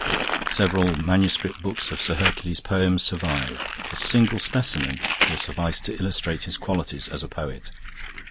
Several MS. books of Sir Hercules's poems survive. A single specimen will suffice to illustrate his qualities as a poet."